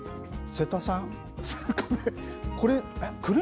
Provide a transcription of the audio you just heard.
瀬田さん。